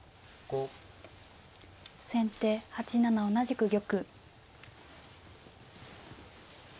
先手８七同じく玉。